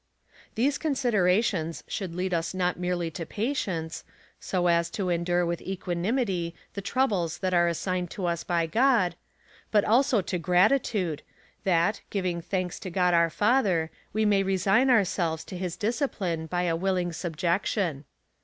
These considerations should lead us not merely to patience, so as to endure with equanimity the troubles that are as signed to us by God, but also to gratitude, that, giving thanks to God our Father, we may resign ourselves^ to his discipline by a willing subjection.